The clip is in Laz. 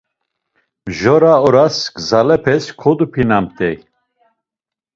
Mjora oras gzalepes kodupinamt̆ey.